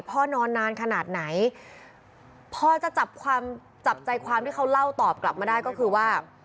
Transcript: พ่อนอนนานขนาดไหนพอจะจับความจับใจความที่เขาเล่าตอบกลับมาได้ก็คือว่า